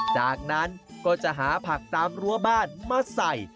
จากนั้นก็จะหาผักตามรั้วบ้านมาใส่